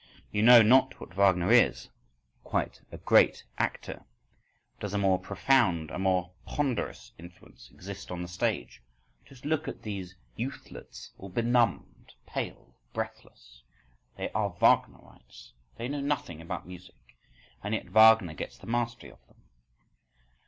—You know not what Wagner is: quite a great actor! Does a more profound, a more ponderous influence exist on the stage? Just look at these youthlets,—all benumbed, pale, breathless! They are Wagnerites: they know nothing about music,—and yet Wagner gets the mastery of them.